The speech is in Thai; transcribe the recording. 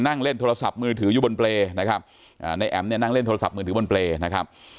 นั่งเล่นโทรศัพท์มือถืออยู่บนเปรย์นะครับในแอ๋มเนี่ยนั่งเล่นโทรศัพท์มือถือบนเปรย์นะครับ